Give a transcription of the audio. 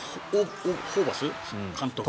ホーバス監督